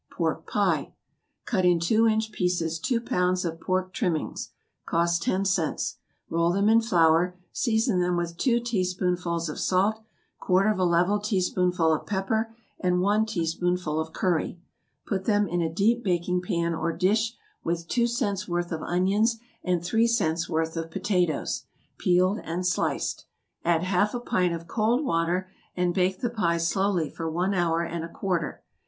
=Pork Pie.= Cut in two inch pieces two pounds of pork trimmings, (cost ten cents,) roll them in flour, season them with two teaspoonfuls of salt, quarter of a level teaspoonful of pepper, and one teaspoonful of curry, put them in a deep baking pan or dish with two cents' worth of onions, and three cents' worth of potatoes, peeled and sliced, add half a pint of cold water, and bake the pie slowly for one hour and a quarter.